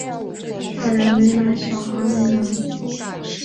大人没拿小孩没拿